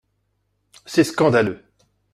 C’est scandaleux